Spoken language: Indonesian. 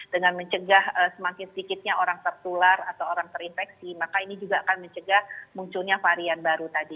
dengan mencegah semakin sedikitnya orang tertular atau orang terinfeksi maka ini juga akan mencegah munculnya varian baru tadi